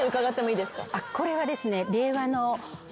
これはですね。